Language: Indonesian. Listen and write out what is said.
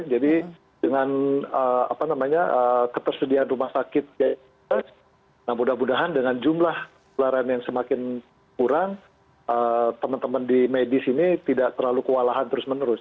jadi dengan ketersediaan rumah sakit mudah mudahan dengan jumlah penularan yang semakin kurang teman teman di medis ini tidak terlalu kewalahan terus menerus